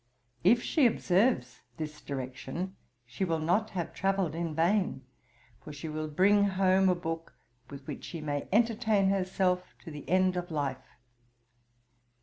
If she observes this direction, she will not have travelled in vain; for she will bring home a book with which she may entertain herself to the end of life.